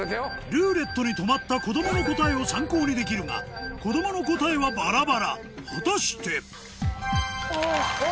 ルーレットに止まった子供の答えを参考にできるが子供の答えはバラバラ果たして⁉お。